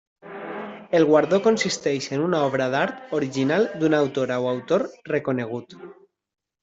El guardó consisteix en una obra d'art original d'una autora o autor reconegut.